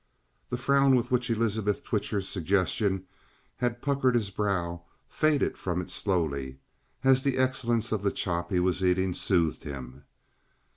The frown with which Elizabeth Twitcher's suggestion had puckered his brow faded from it slowly, as the excellence of the chop he was eating soothed him.